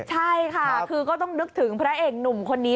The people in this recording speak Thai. ใช่ค่ะคือก็ต้องนึกถึงพระเอกหนุ่มคนนี้